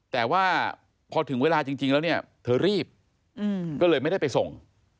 แต่ว่าพอถึงเวลาจริงแล้วเนี่ยเธอรีบก็เลยไม่ได้ไปส่ง